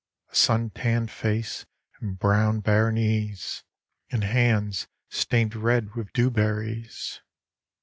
A sun tanned face and brown bare knees, And hands stained red with dewberries.